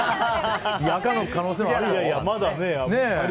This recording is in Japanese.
赤の可能性もあるよ。